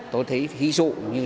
tôi thấy ví dụ như